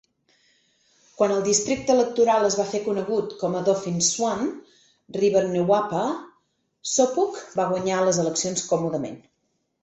Quan el districte electoral es va fer conegut com a Dauphin-Swan River-Neepawa, Sopuck va guanyar les eleccions còmodament.